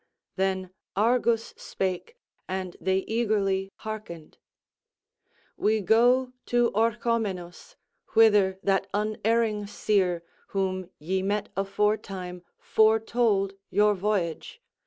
Then Argus spake, and they eagerly hearkened: "We go to Orchomenus, whither that unerring seer, whom ye met aforetime, foretold your voyage.